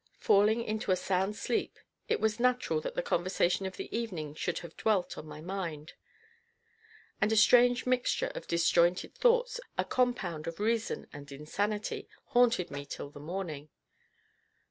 Falling into a sound sleep, it was natural that the conversation of the evening should have dwelt on my mind, and a strange mixture of disjointed thoughts, a compound of reason and insanity, haunted me till the morning.